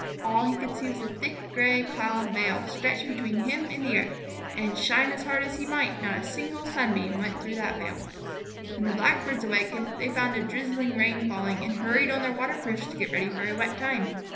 All he could see was a thick gray cloud veil stretched between him and the earth, and, shine as hard as he might, not a single sunbeam went through that veil. When the Blackbirds awakened, they found a drizzling rain falling, and hurried on their waterproofs to get ready for a wet time.